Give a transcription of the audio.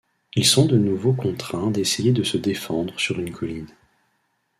Ils sont de nouveau contraints d'essayer de se défendre sur une colline.